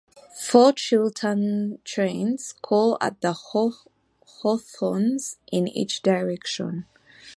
Four Chiltern trains call at The Hawthorns in each direction.